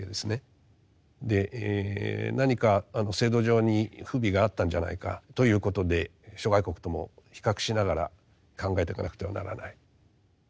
何か制度上に不備があったんじゃないかということで諸外国とも比較しながら考えていかなくてはならないまあ